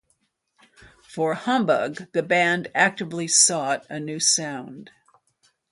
For "Humbug", the band actively sought a new sound.